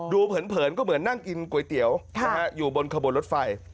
เผินก็เหมือนนั่งกินก๋วยเตี๋ยวอยู่บนขบวนรถไฟ